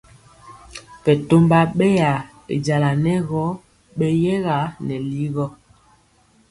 Bɛtɔmba bɛwa y jala nɛ gɔ beyɛga nɛ ligɔ.